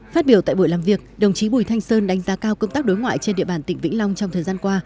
phát biểu tại buổi làm việc đồng chí bùi thanh sơn đánh giá cao công tác đối ngoại trên địa bàn tỉnh vĩnh long trong thời gian qua